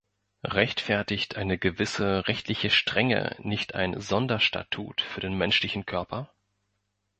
Rechtfertigt eine gewisse rechtliche Strenge nicht ein Sonderstatut für den menschlichen Körper?